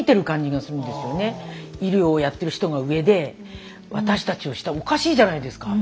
医療をやってる人が上で私たちは下おかしいじゃないですか。